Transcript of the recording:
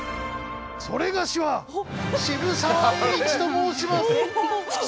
それがしは渋沢栄一と申します。